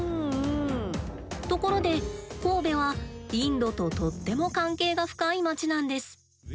ところで神戸はインドととっても関係が深い街なんです。